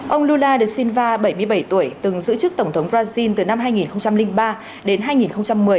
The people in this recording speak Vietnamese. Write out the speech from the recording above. ông lula da silva bảy mươi bảy tuổi từng giữ chức tổng thống brazil từ năm hai nghìn ba đến hai nghìn một mươi